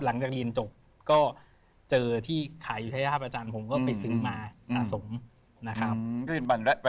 หลังจากเรียนจบก็เจอที่ขายอยู่ท่าประจันทร์ผมก็ไปซื้อมาสะสมนะครับ